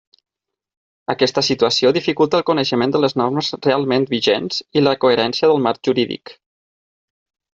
Aquesta situació dificulta el coneixement de les normes realment vigents i la coherència del marc jurídic.